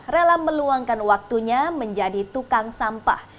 rela meluangkan waktunya menjadi tukang sampah